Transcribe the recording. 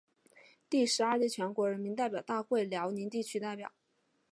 第十二届全国人民代表大会辽宁地区代表。